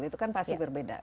itu kan pasti berbeda